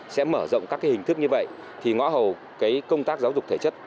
sẽ mở rộng các hình thức như vậy thì ngõ hầu công tác giáo dục thể chất